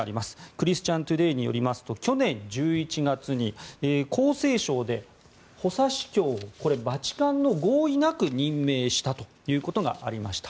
クリスチャン・トゥデイによりますと、去年１１月に厚生省で補佐司教これをバチカンの合意なく任命したということがありました。